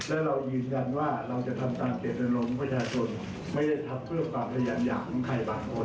และเรายืนยันว่าเราจะทำตามเจตนารมณ์ประชาชนไม่ได้ทำเพื่อความพยายามอย่างของใครบางคน